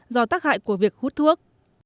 do tác hại của việc hút thuốc